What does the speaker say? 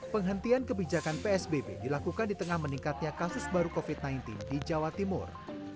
penghentian kebijakan psbb dilakukan di tengah meningkatnya kasus baru covid sembilan belas di jawa timur